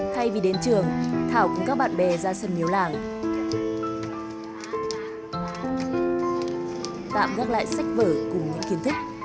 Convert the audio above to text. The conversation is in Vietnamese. thay vì đến trường thảo cùng các bạn bè ra sân miếu làng tạm gác lại sách vở cùng những kiến thức